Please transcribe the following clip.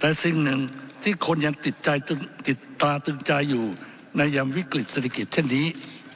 แต่สิ่งหนึ่งที่คนยังติดใจติดตาตึงใจอยู่ในยามวิกฤตเศรษฐกิจเช่นนี้